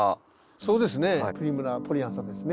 そうですね。